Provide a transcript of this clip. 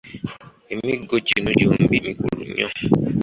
Emiggo gino gyombi mikulu nnyo.